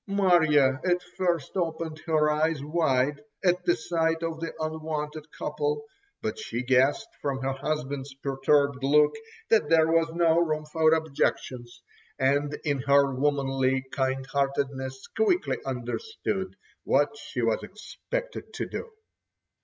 Marya at first opened her eyes wide at the sight of the unwonted couple, but she guessed from her husband's perturbed look, that there was no room for objections, and in her womanly kindheartedness quickly understood what she was expected to do.